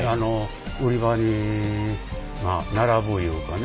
売り場に並ぶいうかね